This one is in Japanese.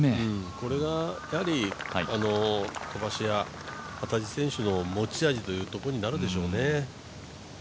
これが飛ばし屋・幡地選手の持ち味というところになるでしょうね。